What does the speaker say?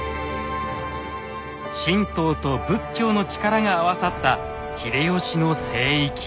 神道と仏教の力が合わさった秀吉の聖域。